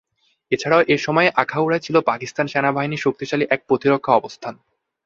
এছাড়া এ সময়ে আখাউড়ায় ছিল পাকিস্তান সেনাবাহিনীর শক্তিশালী এক প্রতিরক্ষা অবস্থান।